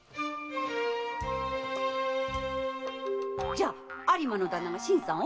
じゃあ有馬の旦那が新さんを？